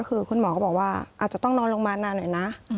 คือคุณหมอก็บอกว่าอาจจะต้องนอนโรงพยาบาลนานหน่อยนะ